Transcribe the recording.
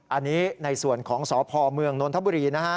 อันนี้ในส่วนของสพเมืองนนทบุรีนะฮะ